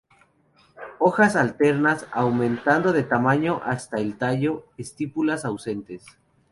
Hojas alternas, aumentando de tamaño hasta el tallo; estípulas ausentes.